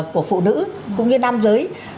của phụ nữ cũng như nam giới